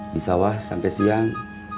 di sawah sampai siang